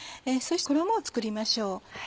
そして衣を作りましょう。